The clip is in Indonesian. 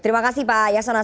terima kasih pak yasona